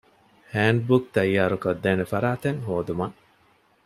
ހޭންޑްބުކް ތައްޔާރުކޮށްދޭނެ ފަރާތެއް ހޯދުމަށް